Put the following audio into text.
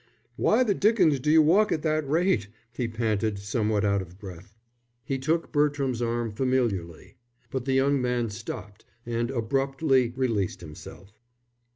"Why the dickens do you walk at that rate?" he panted, somewhat out of breath. He took Bertram's arm familiarly. But the young man stopped and abruptly released himself.